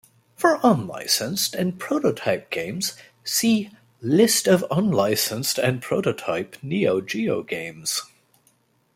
For unlicensed and prototype games, see List of unlicensed and prototype Neo Geo games.